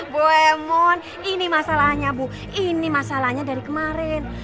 bu emon ini masalahnya bu ini masalahnya dari kemarin